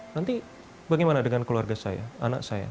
nanti bagaimana dengan keluarga saya anak saya